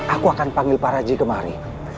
aku akan panggil pak raji kemari